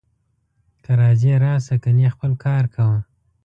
که راځې راسه، کنې خپل کار کوه